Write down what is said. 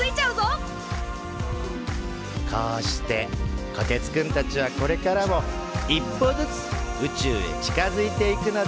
こうしてこてつくんたちはこれからも一歩ずつ宇宙へ近づいていくのです。